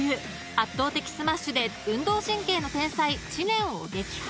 ［圧倒的スマッシュで運動神経の天才知念を撃破］